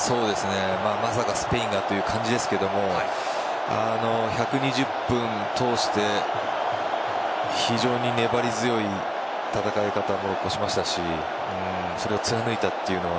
まさかスペインがという感じですが１２０分通して非常に粘り強い戦い方をモロッコはしましたしそれを貫いたというのは